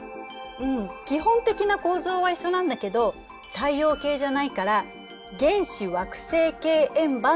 うん基本的な構造は一緒なんだけど太陽系じゃないから原始惑星系円盤っていうの。